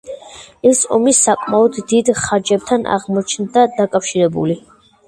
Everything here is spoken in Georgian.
ეს ომი საკმაოდ დიდ ხარჯებთან აღმოჩნდა დაკავშირებული.